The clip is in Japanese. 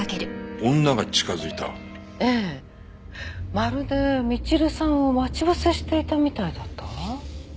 まるでみちるさんを待ち伏せしていたみたいだったわ。